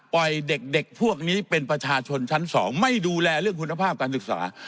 ปล่อยเด็กพวกนี้เป็นประชาชนชั้น๒ไม่ดูแลเรื่องคุณภาพการศึกษา